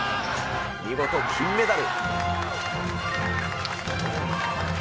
見事金メダル。